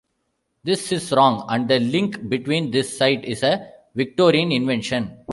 This is wrong and the link between this site is a Victorian invention.